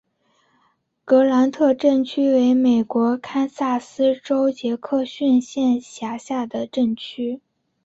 格兰特镇区为美国堪萨斯州杰克逊县辖下的镇区。